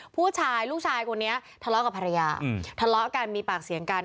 ผู้ชายลูกชายคนนี้ทะเลาะกับภรรยาทะเลาะกันมีปากเสียงกัน